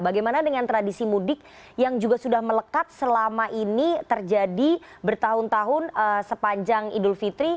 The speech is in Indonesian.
bagaimana dengan tradisi mudik yang juga sudah melekat selama ini terjadi bertahun tahun sepanjang idul fitri